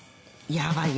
ヤバい